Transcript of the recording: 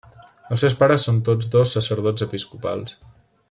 Els seus pares són tots dos sacerdots episcopals.